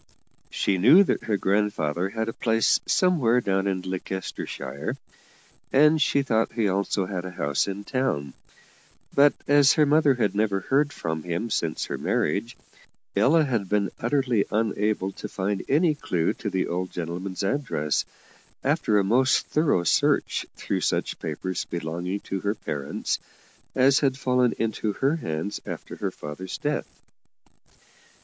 She knew that her grandfather had a place somewhere down in Leicestershire, and she thought he also had a house in town; but, as her mother had never heard from him since her marriage, Ella had been utterly unable to find any clue to the old gentleman's address, after a most thorough search through such papers belonging to her parents as had fallen into her hands after her father's death.